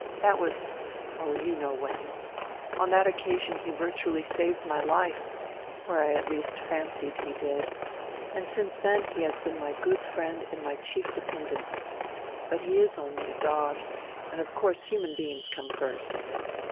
That was — oh, you know when — On that occasion he virtually saved my life, or I at least fancied he did, and since then he has been my good friend and my chief dependence. But he is only a dog, and of course human beings come first."